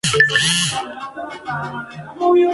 Su símbolo es una lanza, de color negro.